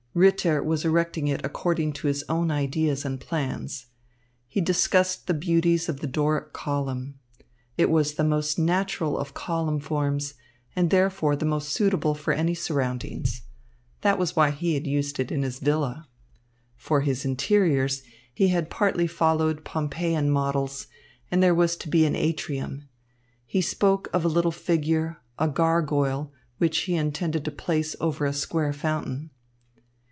Ritter was erecting it according to his own ideas and plans. He discussed the beauties of the Doric column. It was the most natural of column forms and therefore the most suitable for any surroundings. That was why he had used it in his villa. For his interiors, he had partly followed Pompeian models, and there was to be an atrium. He spoke of a little figure, a gargoyle, which he intended to place over a square fountain.